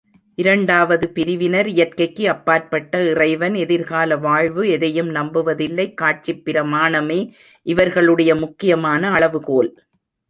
இரண்டாவது பிரிவினர் இயற்கைக்கு அப்பாற்பட்ட இறைவன், எதிர்கால வாழ்வு, எதையும் நம்புவதில்லை, காட்சிப் பிரமாணமே இவர்களுடைய முக்கியமான அளவுகோல்.